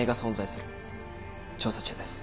調査中です。